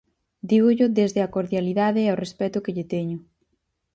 Dígollo desde a cordialidade e o respecto que lle teño.